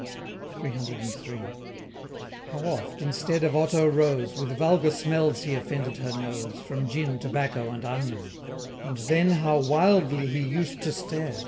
CCCIII. How oft, instead of otto rose, With vulgar smells he offended her nose, From gin, tobacco, and onion! And then how wildly he used to stare!